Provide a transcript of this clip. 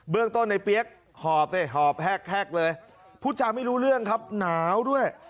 เรื่องต้นในเปี๊ยกหอบสิหอบแฮกแฮกเลยพูดจาไม่รู้เรื่องครับหนาวด้วย